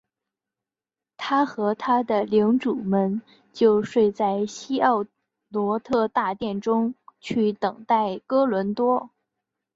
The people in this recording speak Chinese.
他和他的领主们就睡在希奥罗特大殿中去等待哥伦多。